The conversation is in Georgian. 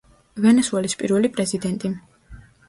ვენესუელის პირველი პრეზიდენტი.